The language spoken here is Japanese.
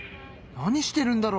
何してるんだろう？